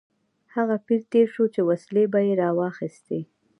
هغه پیر تېر شو چې وسلې به یې راواخیستې.